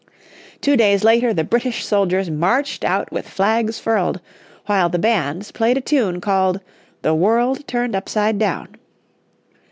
Two days later the British soldiers marched out with flags furled, while the bands played a tune called "The World Turned Upside Down."